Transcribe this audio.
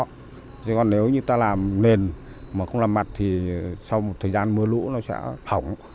thế còn nếu như ta làm nền mà không làm mặt thì sau một thời gian mưa lũ nó sẽ hỏng